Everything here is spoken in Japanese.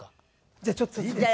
じゃあちょっといいですか？